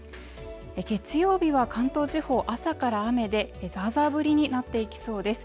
月曜日は関東地方朝から雨でザーザーぶりになっていきそうです